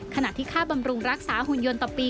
ขณะที่ค่าบำรุงรักษาหุ่นยนต์ต่อปี